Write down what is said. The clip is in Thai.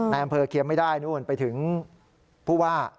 แม่งอำเภอเคลียมไม่ได้ไปถึงผู้ว่า